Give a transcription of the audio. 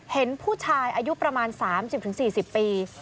เห็นผู้ชายอายุประมาณ๓๐๔๐ปี